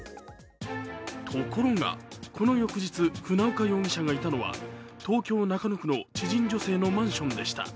ところが、この翌日、船岡容疑者がいたのは、東京・中野区の知人女性のマンションでした。